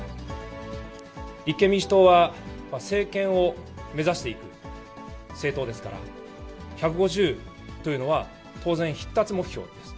立憲民主党は政権を目指していく政党ですから、１５０というのは、当然、必達目標です。